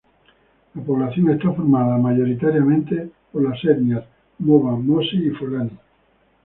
La población está formada mayoritariamente por las etnias moba, mossi y fulani.